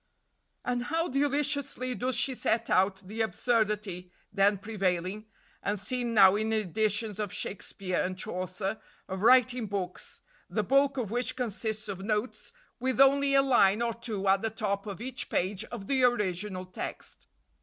And how deliciously does she set out the absurdity then prevailing, and seen now in editions of Shakespeare and Chaucer, of writing books, the bulk of which consists of notes, with only a line or two at the top of each page of the original text.